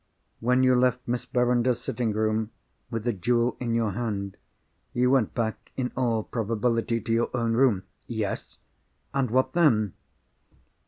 When you left Miss Verinder's sitting room, with the jewel in your hand, you went back in all probability to your own room——" "Yes? and what then?"